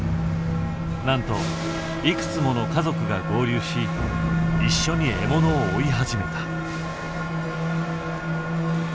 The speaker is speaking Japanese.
なんといくつもの家族が合流し一緒に獲物を追い始めた。